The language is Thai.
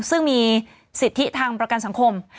ซึ่งมีสิทธิทางประกันสังคม